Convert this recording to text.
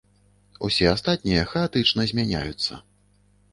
Усе астатнія хаатычна змяняюцца.